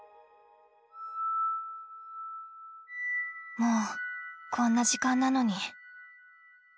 もうこんな時間なのに。